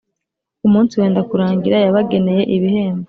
umunsi wenda kurangira, yabageneye ibihembo